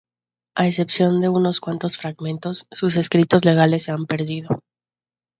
A excepción de unos cuántos fragmentos, sus escritos legales se han perdido.